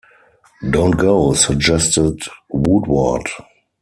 "Don't go," suggested Woodward.